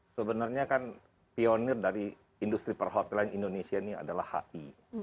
sebenarnya kan pionir dari industri perhotelan indonesia ini adalah hi